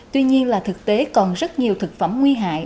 tuy nhiên là thực tế còn rất nhiều thực phẩm nguy hại